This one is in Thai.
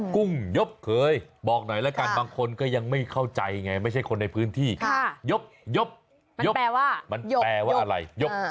กุ้งหยบเคยบอกหน่อยแล้วกันบางคนก็ยังไม่เข้าใจไงไม่ใช่คนในพื้นที่